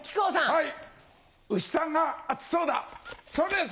はい。